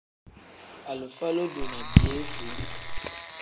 Alifa lodo ni piyefuu.